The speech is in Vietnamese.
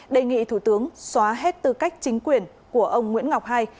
đề nghị thủ tướng xóa hết tư cách chính quyền của ông nguyễn ngọc hai